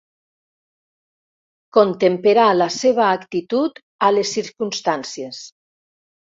Contemperar la seva actitud a les circumstàncies.